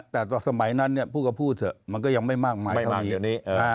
แต่สมัยนั้นพูดก็พูดเถอะมันก็ยังไม่มากมายเท่านี้